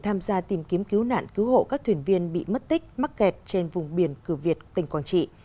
tham gia tìm kiếm cứu nạn cứu hộ các thuyền viên bị mất tích mắc kẹt trên vùng biển cửa việt tỉnh quảng trị